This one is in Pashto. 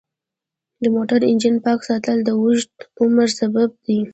د موټر انجن پاک ساتل د اوږد عمر سبب دی.